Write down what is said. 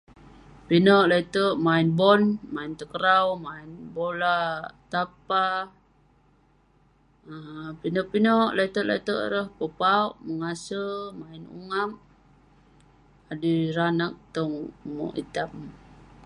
Pinek le,'terk main bon, main takraw, main bola tampar, um pinek pinek le'terk le'terk ireh..pepauwk..mengase..mainungap..adui ireh anag tong umerk itam